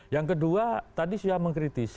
yang kedua tadi saya mengkritikkan